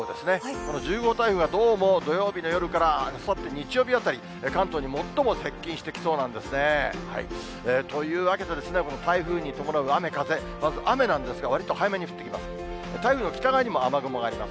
この１０号台風は、どうも土曜日の夜から、あさって日曜日あたり、関東に最も接近してきそうなんですね。というわけで、この台風に伴う雨、風、まず雨なんですが、わりと早めに降ってきます。